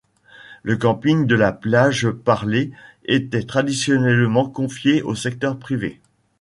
Le camping de la Plage-Parlee était traditionnellement confié au secteur privé.